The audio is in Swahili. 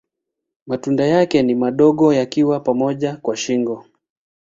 Matunda yake ni madogo yakiwa pamoja kwa shingo.